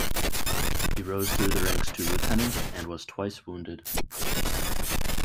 He rose through the ranks to lieutenant and was twice wounded.